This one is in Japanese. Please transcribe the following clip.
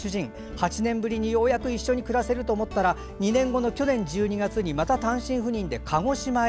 ８年ぶりにようやく一緒に暮らせると思ったら２年後の去年１２月にまた単身赴任で鹿児島へ。